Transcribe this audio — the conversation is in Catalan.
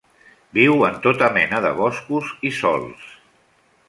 Viu en tota mena de boscos i sòls.